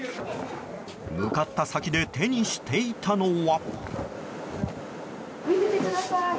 向かった先で手にしていたのは。